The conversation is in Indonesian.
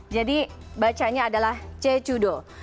jadi bacanya adalah jeju do